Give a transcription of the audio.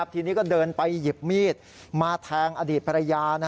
ทีนี้ก็เดินไปหยิบมีดมาแทงอดีตภรรยา